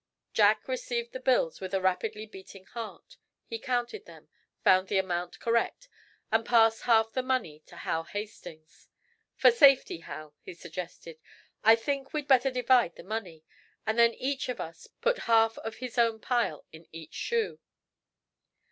Jack received the bills with a rapidly beating heart. He counted them, found the amount correct, and passed half the money to Hal Hastings. "For safety, Hal," he suggested, "I think we'd better divide the money, and then each of us put half of his own pile in each shoe."